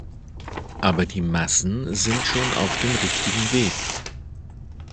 Aber die Massen sind schon auf dem richtigen Weg.